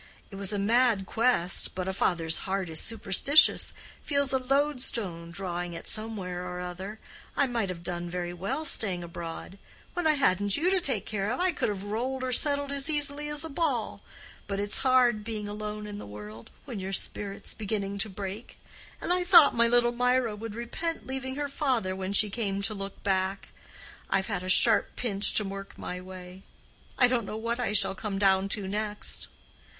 It was a mad quest; but a father's heart is superstitious—feels a loadstone drawing it somewhere or other. I might have done very well, staying abroad: when I hadn't you to take care of, I could have rolled or settled as easily as a ball; but it's hard being lonely in the world, when your spirit's beginning to break. And I thought my little Mirah would repent leaving her father when she came to look back. I've had a sharp pinch to work my way; I don't know what I shall come down to next.